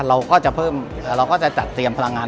ให้กับประชาชนที่สนใจ